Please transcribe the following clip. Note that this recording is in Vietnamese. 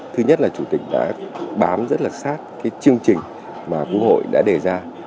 thứ nhất là chủ tịch đã bám rất là sát cái chương trình mà quốc hội đã đề ra